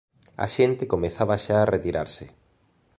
A xente comezaba xa a retirarse.